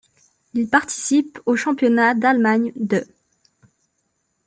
Il participe au Championnat d'Allemagne de.